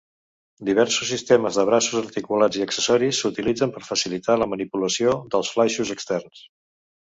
Diversos sistemes de braços articulats i accessoris s'utilitzen per facilitar la manipulació dels flaixos externs.